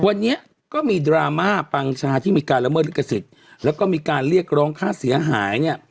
วันนี้ก็มีดราม่าปังชาที่มีการละเมิดลิขสิทธิ์แล้วก็มีการเรียกร้องค่าเสียหายเนี่ย